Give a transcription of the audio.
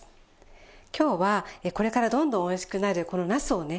今日はこれからどんどんおいしくなるこのなすをね